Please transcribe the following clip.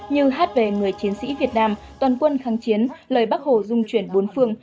như hát về người chiến sĩ việt nam toàn quân kháng chiến lời bắc hồ dung chuyển bốn phương